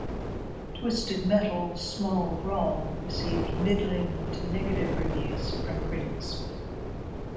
"Twisted Metal: Small Brawl" received middling to negative reviews from critics.